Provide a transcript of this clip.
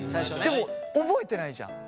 でも覚えてないじゃん。